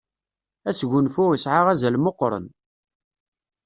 Asgunfu isεa azal meqqren.